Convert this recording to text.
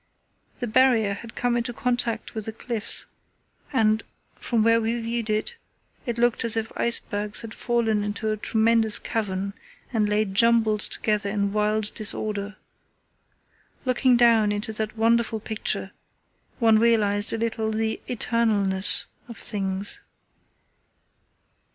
The Barrier had come into contact with the cliffs and, from where we viewed it, it looked as if icebergs had fallen into a tremendous cavern and lay jumbled together in wild disorder. Looking down into that wonderful picture one realized a little the 'eternalness' of things.